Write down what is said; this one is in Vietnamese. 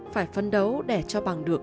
phải phân đấu để cho bằng được